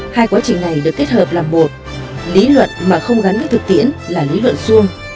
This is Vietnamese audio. hai quá trình này được kết hợp là một lý luận mà không gắn với thực tiễn là lý luận xuông